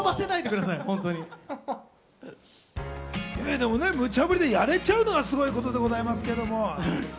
でも、むちゃぶりでやれちゃうのがすごいことでございます。